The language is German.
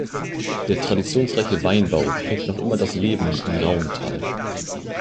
Der traditionsreiche Weinbau prägt noch immer das Leben in Rauenthal.